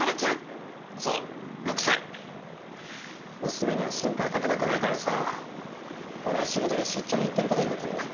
娘には心配かけたくないからさ俺は仕事で出張に行ってることになってるんだ。